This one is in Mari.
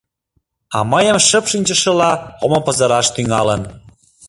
— А мыйым шып шинчышыла омо пызыраш тӱҥалын.